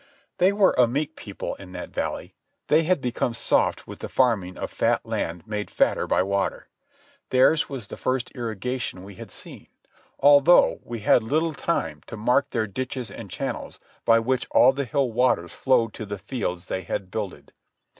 They were a meek people in that valley. They had become soft with the farming of fat land made fatter by water. Theirs was the first irrigation we had seen, although we had little time to mark their ditches and channels by which all the hill waters flowed to the fields they had builded.